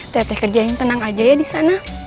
teteh kerjain tenang aja ya di sana